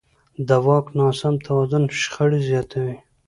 د واک ناسم توازن شخړې زیاتوي